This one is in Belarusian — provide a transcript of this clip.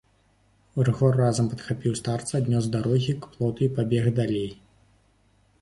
Рыгор разам падхапіў старца, аднёс з дарогі к плоту і пабег далей.